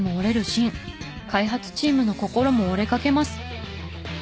開発チームの心も折れかけます。